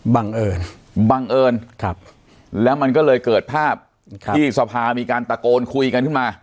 บังเอิญบังเอิญแล้วมันก็เลยเกิดภาพที่สภามีการตะโกนคุยกันขึ้นมา